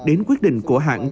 đến quyết định của hàn quốc